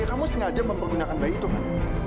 kamu sengaja menggunakan bayi itu kan